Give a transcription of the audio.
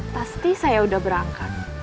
pasti saya udah berangkat